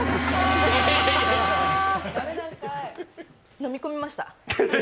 飲み込みました。